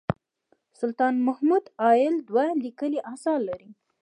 سلطان محمد عايل دوه لیکلي اثار لري.